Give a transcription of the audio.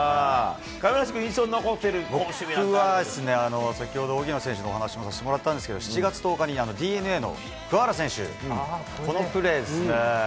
亀梨君、僕は、先ほど荻野選手のお話もさせてもらったんですけど、７月１０日、ＤｅＮＡの桑原選手、このプレーですね。